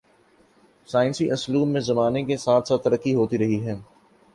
سائنسی اسلوب میں زمانے کے ساتھ ساتھ ترقی ہوتی رہی ہے